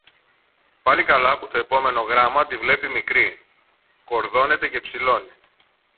Πάλι καλά που το επόμενο γράμμα τη βλέπει μικρή, κορδώνεται και ψηλώνει